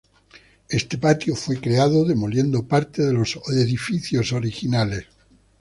Este patio fue creado demoliendo parte de los edificios originales.